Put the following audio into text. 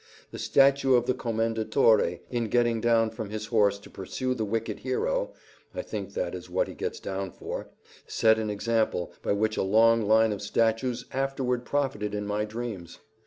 The statue of the Commendatore, in getting down from his horse to pursue the wicked hero (I think that is what he gets down for), set an example by which a long line of statues afterward profited in my dreams.